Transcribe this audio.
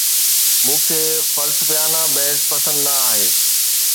مون کي فلسفيانه بحث پسند نه آهي